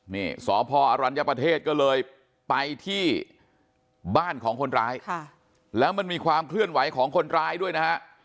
นี่สพอรัญญประเทศก็เลยไปที่บ้านของคนร้ายแล้วมันมีความเคลื่อนไหวของคนร้ายด้วยนะฮะ